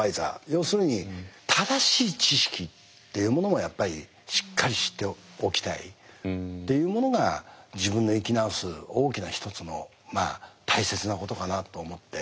要するに正しい知識っていうものもやっぱりしっかり知っておきたいっていうものが自分の生き直す大きな一つの大切なことかなと思って。